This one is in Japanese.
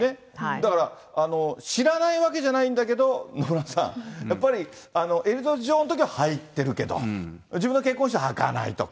だから知らないわけじゃないんだけど、野村さん、やっぱり、エリザベス女王のときは履いてるけど、自分の結婚式は履かないとか。